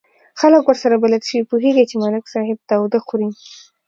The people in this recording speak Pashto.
خلک ورسره بلد شوي، پوهېږي چې ملک صاحب تاوده خوري.